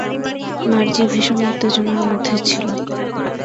মার্জি ভীষণ উত্তেজনার মধ্যে ছিল।